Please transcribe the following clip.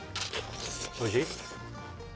おいしい？